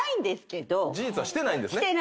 事実はしてないんですね。